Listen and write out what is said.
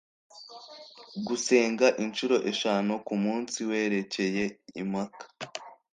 gusenga incuro eshanu ku munsi werekeye i maka